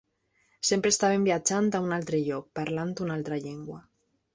Sempre estàvem viatjant a un altre lloc, parlant una altra llengua.